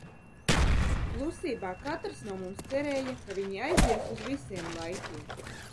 Klusībā katrs no mums cerēja, ka viņi aizies uz visiem laikiem.